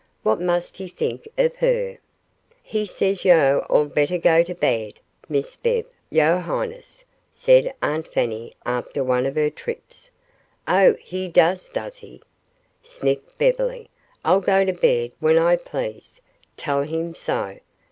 What must he think of her? "He says yo' all 'd betteh go to baid, Miss Bev yo' highness," said Aunt Fanny after one of her trips. "Oh, he does, does he?" sniffed Beverly. "I'll go to bed when I please. Tell him so.